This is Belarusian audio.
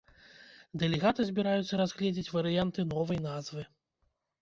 Дэлегаты збіраюцца разгледзець варыянты новай назвы.